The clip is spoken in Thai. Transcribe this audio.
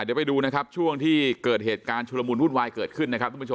เดี๋ยวไปดูช่วงที่เกิดเหตุการณ์ชุดระมุนหุ้นวายเกิดขึ้น